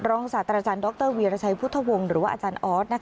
รองสาธาราชาญดรเวียรชัยพุทธวงศ์หรือว่าอาจารย์ออส